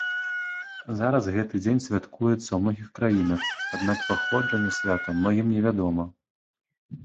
Зараз гэты дзень святкуецца ў многіх краінах, аднак паходжанне свята многім невядома.